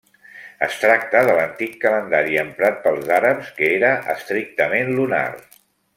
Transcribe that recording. Es tracta de l'antic calendari emprat pels àrabs, que era estrictament lunar.